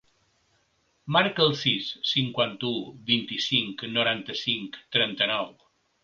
Marca el sis, cinquanta-u, vint-i-cinc, noranta-cinc, trenta-nou.